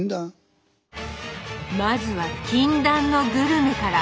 まずは禁断のグルメから。